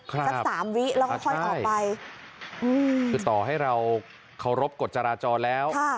สักสามวิแล้วก็ค่อยออกไปคือต่อให้เราเคารพกฎจราจรแล้ว